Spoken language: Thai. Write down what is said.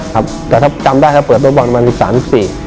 ครับแต่ถ้าจำได้ถ้าเปิดโต๊ะบอลวันสิบสามสิบสี่